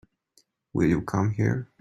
Will you come here?